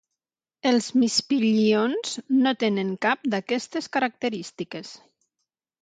Els "Mispillions" no tenen cap d'aquestes característiques.